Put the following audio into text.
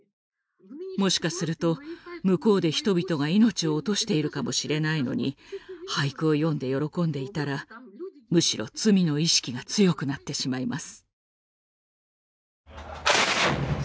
もしかすると向こうで人々が命を落としているかもしれないのに俳句を詠んで喜んでいたらむしろ罪の意識が強くなってしまいます。